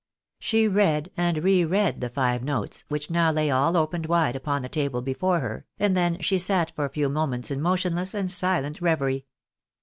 She read and re read the five notes, which now lay all opened wide upon the table before her, and then she sat for a few moments in motionless and silent reverie.